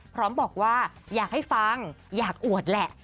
พร้อมบอกว่าอยากให้ฟังอยากอวดแหละ